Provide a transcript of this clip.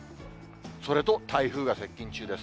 それと台風が接近中です。